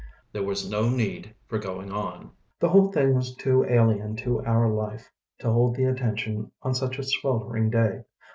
There was no need of going on. The whole thing was too alien to our life to hold the attention on such a sweltering day.